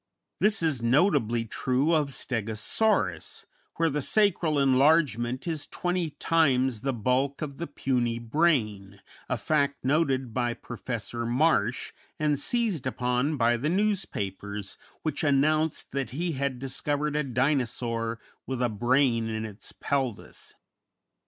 This is notably true of Stegosaurus, where the sacral enlargement is twenty times the bulk of the puny brain a fact noted by Professor Marsh, and seized upon by the newspapers, which announced that he had discovered a Dinosaur with a brain in its pelvis.